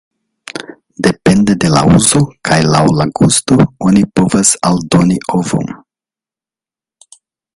Depende de la uzo kaj laŭ la gusto oni povas aldoni ovon.